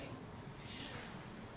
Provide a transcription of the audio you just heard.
itu baru satu kelompok besar itu selesai